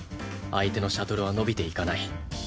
相手のシャトルは伸びていかない。